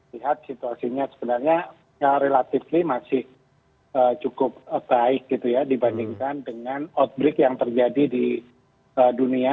lihat situasinya sebenarnya relatively masih cukup baik gitu ya dibandingkan dengan outbreak yang terjadi di dunia